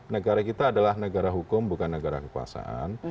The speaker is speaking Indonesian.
negara kita adalah negara hukum bukan negara kekuasaan